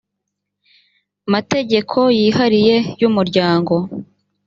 mategeko yihariye y umuryango